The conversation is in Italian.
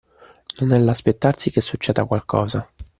Non è l’aspettarsi che succeda qualcosa